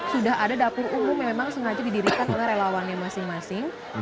sudah ada dapur umum yang memang sengaja didirikan oleh relawannya masing masing